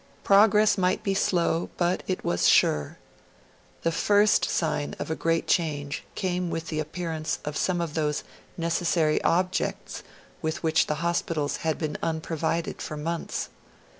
Progress might be slow, but it was sure. The first sign of a great change came with the appearance of some of those necessary objects with which the hospitals had been unprovided for months.